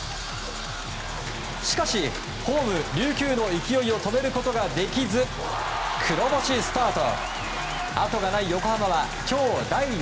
しかし、ホーム琉球の勢いを止めることができず黒星スタート。